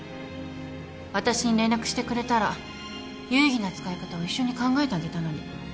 私に連絡してくれたら有意義な使い方を一緒に考えてあげたのに。